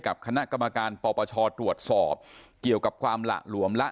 กับคณะกรรมการปปชตรวจสอบเกี่ยวกับความหละหลวมละ